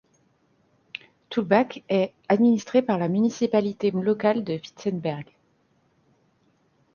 Tulbagh est administré par la municipalité locale de Witzenberg.